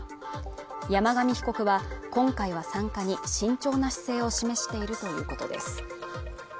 山上被告は今回は参加に慎重な姿勢を示しているということです